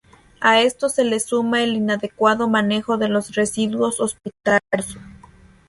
A esto se le suma el inadecuado manejo de los residuos hospitalarios.